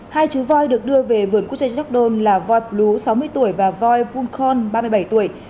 hai chú voi được đưa về vườn quốc gia york dome là voi blue sáu mươi tuổi và voi vulcan ba mươi bảy tuổi